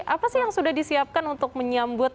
apa sih yang sudah disiapkan untuk menyambut